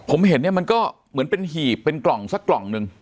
ผมเห็นเนี่ยมันก็เหมือนเป็นหีบเป็นกล่องสักกล่องนึง